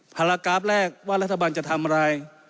ภาระกราฟแรกว่ารัฐบาลจะทำอะไร